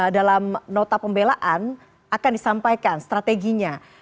dalam nota pembelaan akan disampaikan strateginya